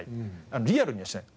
リアルにはしない。